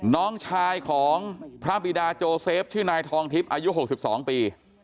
น้องชายของพระบิดาโจเซฟชื่อนายทองทิพย์อายุ๖๒ปี